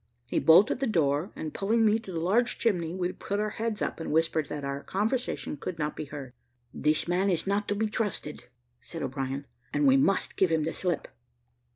He bolted the door, and pulling me to the large chimney, we put our heads up, and whispered, that our conversation should not be heard. "This man is not to be trusted," said O'Brien, "and we must give him the slip.